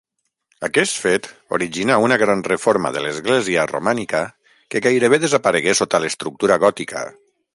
Aquest fet originà una gran reforma de l'església romànica que gairebé desaparegué sota l'estructura gòtica.